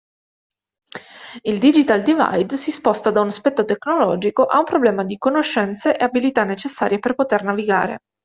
Il "Digital divide" si sposta da un aspetto tecnologico ad un problema di conoscenze e abilità necessarie per poter navigare.